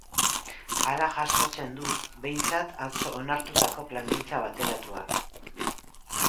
Hala jasotzen du behintzat atzo onartutako plangintza bateratuak.